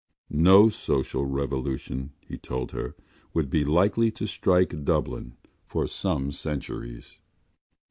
No social revolution, he told her, would be likely to strike Dublin for some centuries.